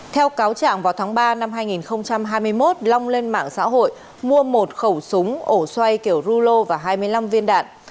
theo cáo trạng vào tháng ba năm hai nghìn hai mươi một long lên mạng xã hội mua một khẩu súng ổ xoay kiểu rulo và hai mươi năm viên đạn